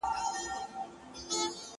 د خيال غزل بۀ هم صنمه پۀ رو رو غږېدو,